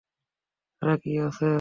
তারা কি আছে?